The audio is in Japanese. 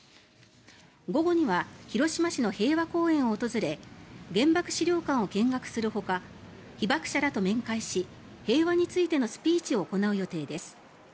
午後には広島市の平和公園を訪れ原爆資料館を見学するほか被爆者と面会し平和についてのスピーチを行う予定です。